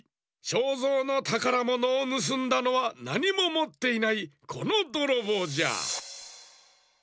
ショーゾーのたからものをぬすんだのはなにももっていないこのどろぼうじゃ。